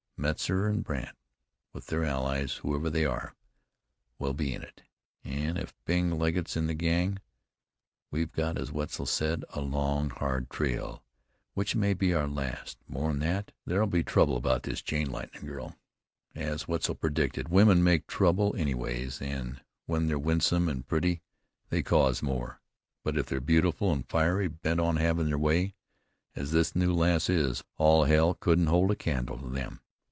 Metzar an' Brandt with their allies, whoever they are, will be in it, an' if Bing Legget's in the gang, we've got, as Wetzel said, a long, hard trail, which may be our last. More'n that, there'll be trouble about this chain lightnin' girl, as Wetzel predicted. Women make trouble anyways; an' when they're winsome an' pretty they cause more; but if they're beautiful an' fiery, bent on havin' their way, as this new lass is, all hell couldn't hold a candle to them.